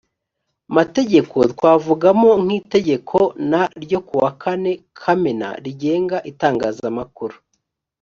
mategeko twavugamo nk itegeko n ryo ku wa kane kamena rigenga itangazamakuru